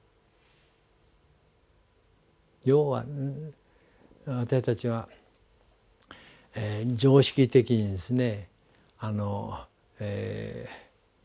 要は私たちは常識的にですね